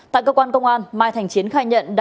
tại cơ quan công an mai thành chiến khai nhận đã